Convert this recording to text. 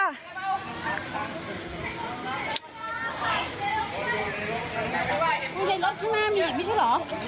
ในรถข้างหน้ามีอีกไม่ใช่เหรอ